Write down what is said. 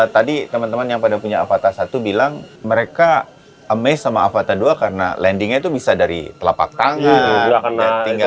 tadi teman teman yang pada punya avata satu bilang mereka amaze sama avata ii karena landingnya itu bisa dari telapak tangan